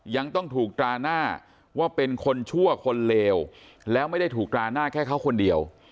ยังต้องถูกตราหน้าว่าเป็นคนชั่วคนเลวแล้วไม่ได้ถูกตราหน้าแค่เขาคนเดียว